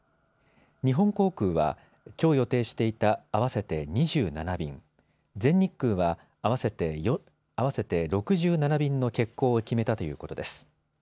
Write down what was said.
日本航空はきょう予定していた合わせて２７便、全日空は合わせて６７便の欠航を決めたということです。